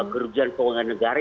kerugian keuangan negara